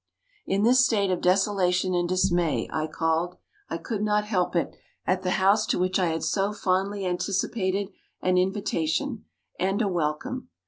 In this state of desolation and dismay, I called I could not help it at the house to which I had so fondly anticipated an invitation, and a welcome.